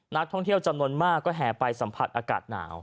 นักท่องเที่ยวจำนวนมากก็แห่ไปสัมผัสอากาศหนาว